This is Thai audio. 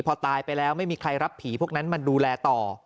พอตายไปแล้วไม่มีใครรับผีพวกนั้นมาดูแลต่อ